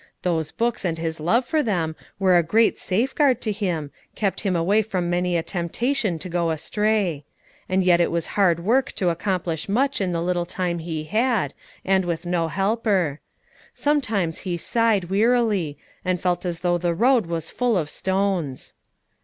Those books and his love for them were a great safeguard to him, kept him away from many a temptation to go astray; and yet it was hard work to accomplish much in the little time he had, and with no helper. Sometimes he sighed wearily, and felt as though the road was full of stones.